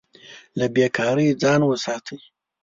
له بې کارۍ ځان وساتئ.